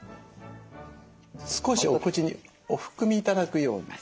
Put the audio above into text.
少しお口にお含み頂くように。